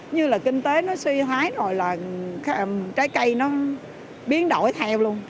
như là kinh tế nó suy thoái rồi là trái cây nó biến đổi theo luôn